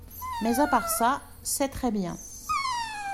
Mais à part ça, c’est très bien.